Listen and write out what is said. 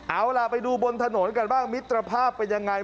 เอาล่ะไปดูบนถนนกันบ้างมิตรภาพเป็นยังไง